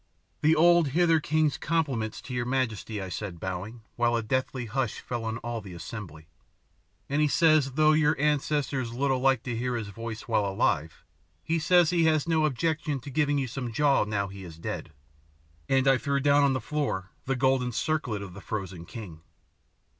"The old Hither king's compliments to your majesty," I said, bowing, while a deathly hush fell on all the assembly, "and he says though your ancestors little liked to hear his voice while alive, he says he has no objection to giving you some jaw now he is dead," and I threw down on the floor the golden circlet of the frozen king.